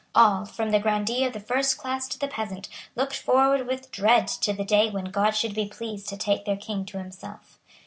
All, from the grandee of the first class to the peasant, looked forward with dread to the day when God should be pleased to take their king to himself.